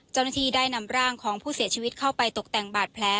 เจ้าหน้าที่ได้นำร่างของผู้เสียชีวิตเข้าไปตกแต่งบาดแผล